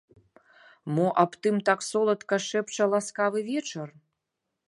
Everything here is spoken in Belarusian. Мо аб тым так соладка шэпча ласкавы вечар?